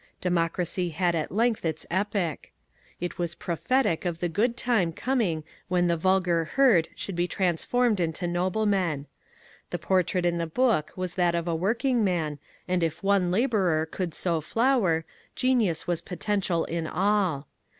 Democracy had at length its epic. It was prophetic of the good time coming when the vulgar herd should be transformed into noblemen. The portrait in the book was that of a workingman, and if one labourer could so flower, genius was potential in all.